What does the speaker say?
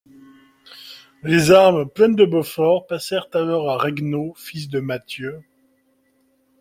Les armes pleines de Beauffort passèrent alors à Regnaut, fils de Mathieu.